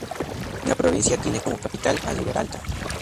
La provincia tiene como capital a Riberalta.